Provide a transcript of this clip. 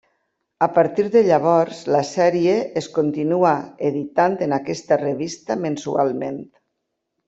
A partir de llavors la sèrie es continua editant en aquesta revista mensualment.